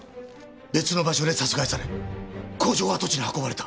別の場所で殺害され工場跡地に運ばれた。